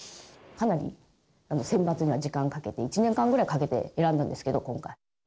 かなり選抜には時間をかけて、１年間ぐらいかけて選んだんですけど、今回。